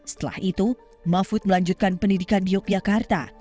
setelah itu mahfud melanjutkan pendidikan di yogyakarta